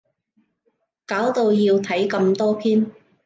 搞到要睇咁多篇